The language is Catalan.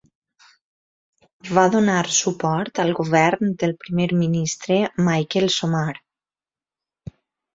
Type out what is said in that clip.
Va donar suport al govern del Primer Ministre Michael Somare.